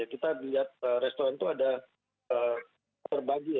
kita lihat restoran itu ada berbagi